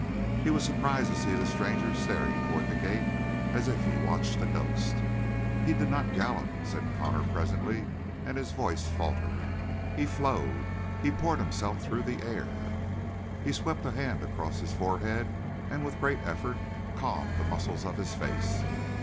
He was surprised to see the stranger staring toward the gate as if he watched a ghost. "He did not gallop," said Connor presently, and his voice faltered. "He flowed. He poured himself through the air." He swept a hand across his forehead and with great effort calmed the muscles of his face.